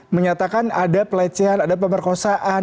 menyatakan ada pelecehan ada pemerkosaan